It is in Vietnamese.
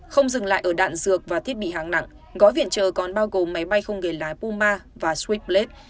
không dừng lại ở đạn dược và thiết bị hàng nặng gói viện trợ còn bao gồm máy bay không người lái puma và swiftblade